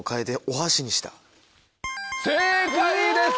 正解です！